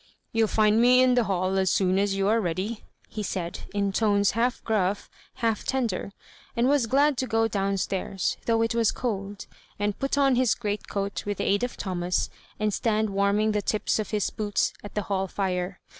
" You'll find me in the hall as soon as you are ready," be said, in tones half gruff, half tender, and was glad to go down stairs, though it was cold, and put on his greatcoat with the aid of Thomas, and stand warm ing the tips of his boots at the hall fire.